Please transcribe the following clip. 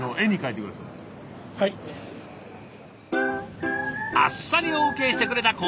あっさりＯＫしてくれたこちらの画伯。